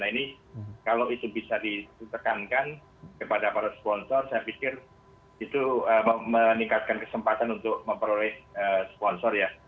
nah ini kalau itu bisa ditekankan kepada para sponsor saya pikir itu meningkatkan kesempatan untuk memperoleh sponsor ya